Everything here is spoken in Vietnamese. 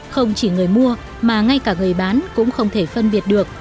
không chỉ người mua mà ngay cả người bán cũng không thể phân biệt được